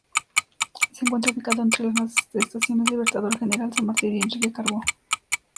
Se encuentra ubicada entre las estaciones Libertador General San Martín y Enrique Carbó.